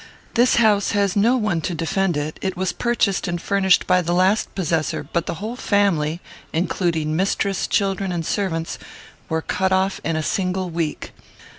This house has no one to defend it. It was purchased and furnished by the last possessor; but the whole family, including mistress, children, and servants, were cut off in a single week.